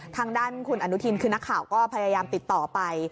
ทางด้านคุณอนุทินคือนักข่าวก็พยายามติดต่อไป